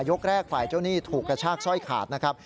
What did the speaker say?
ยกแรกฝ่ายเจ้าหนี้ถูกกระชากสร้อยขาดนะครับ